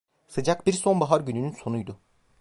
Sıcak bir sonbahar gününün sonuydu.